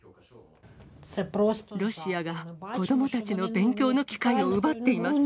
ロシアが子どもたちの勉強の機会を奪っています。